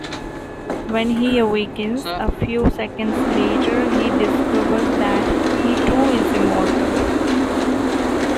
When he awakens a few seconds later, he discovers that he too is Immortal.